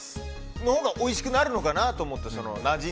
そのほうがおいしくなるのかなって。